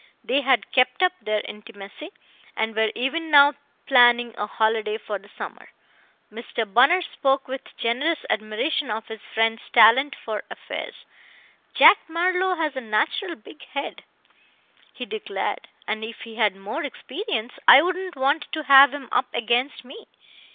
They had kept up their intimacy, and were even now planning a holiday for the summer. Mr. Bunner spoke with generous admiration of his friend's talent for affairs. "Jack Marlowe has a natural big head," he declared, "and if he had more experience, I wouldn't want to have him up against me.